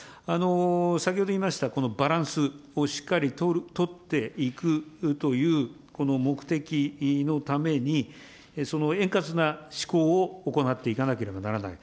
先ほど言いました、このバランスをしっかり取っていくというこの目的のために、その円滑な施行を行っていかなければならない。